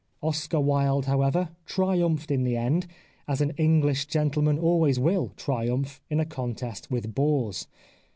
Oscar Wilde, however, triumphed in the end, as an English gentleman always will triumph in a contest with boors.